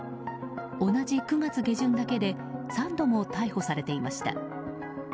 同じ９月下旬だけで３度も逮捕されていました。